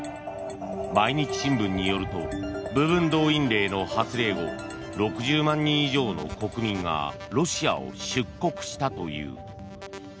毎日新聞によると部分動員令の発令後６０万人以上の国民がロシアを出国したという。